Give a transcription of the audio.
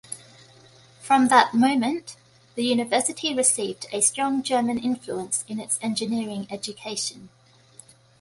From that moment, the university received a strong German influence in its engineering education.